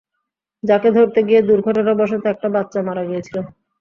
যাকে ধরতে গিয়ে দুর্ঘটনাবশত একটা বাচ্চা মারা গিয়েছিল।